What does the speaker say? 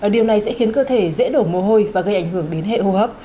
điều này sẽ khiến cơ thể dễ đổ mồ hôi và gây ảnh hưởng đến hệ hô hấp